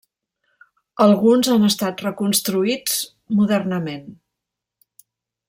Alguns han estat reconstruïts modernament.